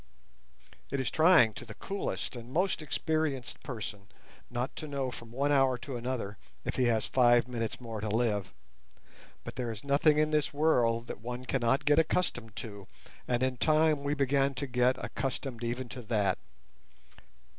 It is trying to the coolest and most experienced person not to know from one hour to another if he has five minutes more to live, but there is nothing in this world that one cannot get accustomed to, and in time we began to get accustomed even to that.